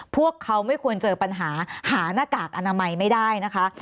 พวกเขาไม่ควรเจอปัญหาหาหน้ากากอนามัยไม่ได้นะคะ